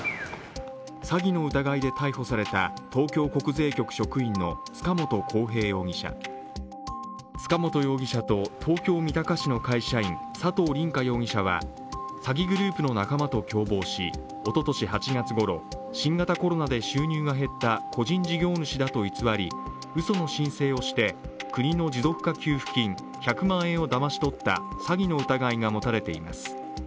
詐欺の疑いで逮捕された東京国税局職員の塚本晃平容疑者塚本容疑者と東京・三鷹市の会社員佐藤凛果容疑者は詐欺グループの仲間と共謀しおととし８月ごろ新型コロナで収入が減った個人事業主だと偽り、うその申請をして国の持続化給付金１００万円をだまし取った詐欺の疑いが持たれています。